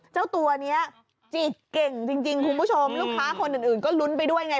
เจ้าตัวนี้จิตเก่งจริงคุณผู้ชมลูกค้าคนอื่นก็ลุ้นไปด้วยไง